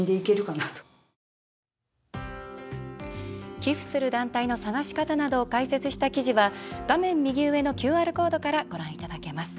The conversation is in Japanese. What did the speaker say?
寄付する団体の探し方などを解説した記事は画面右上のＱＲコードからご覧いただけます。